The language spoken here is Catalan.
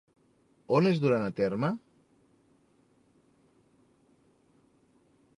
On es duran a terme?